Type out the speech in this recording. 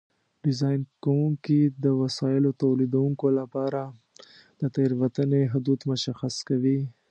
ډیزاین کوونکي د وسایلو تولیدوونکو لپاره د تېروتنې حدود مشخص کوي.